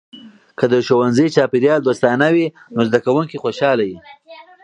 که د ښوونځي چاپیریال دوستانه وي، نو زده کونکي خوشحاله وي.